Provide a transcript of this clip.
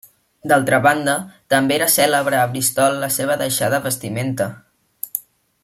D'altra banda, també era cèlebre a Bristol la seva deixada vestimenta.